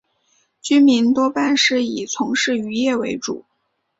居民多半是以从事渔业为主。